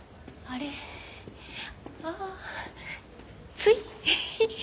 つい。